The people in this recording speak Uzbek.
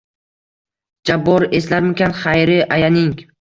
Jabbor eslarmikan Xayri ayaning